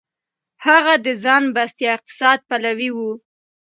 هغه د ځان بسيا اقتصاد پلوی و.